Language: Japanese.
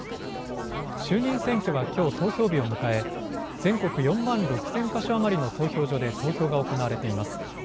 衆議院選挙はきょう投票日を迎え、全国４万６０００か所余りの投票所で投票が行われています。